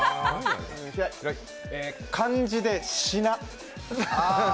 漢字で「品」？